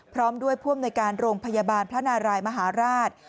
พร้อมด้วยผู้อำนวยการโรงพยาบาลพระนารายมหาราช